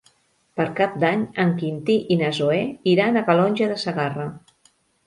Per Cap d'Any en Quintí i na Zoè iran a Calonge de Segarra.